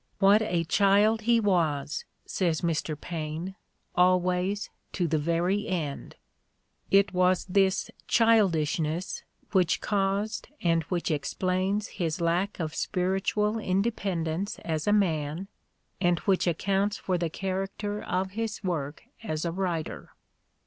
"What a child he was," says Mr. Paine, "always, to the very end!" It was this childishness which caused and which explains his lack of spiritual independence as a man and which accounts for the character of his work as a writer.